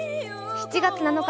７月７日